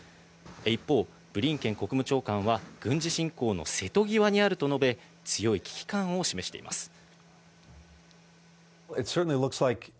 一方、ブリンケン国務長官は軍事侵攻の瀬戸際にあると述べ、強い危機感を示しています。